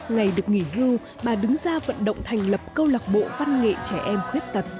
ngày được nghỉ hưu bà đứng ra vận động thành lập câu lạc bộ văn nghệ trẻ em khuyết tật